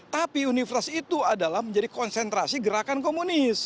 tapi universitas itu adalah menjadi konsentrasi gerakan komunis